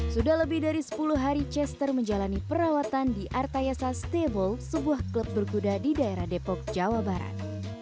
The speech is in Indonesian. sudah lebih dari sepuluh hari chester menjalani perawatan di artayasa stable sebuah klub berkuda di daerah depok jawa barat